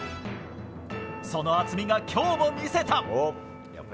その渥美が今日も魅せた！